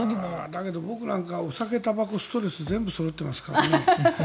だけど、僕はお酒、たばこ、ストレスと全部そろってますからね。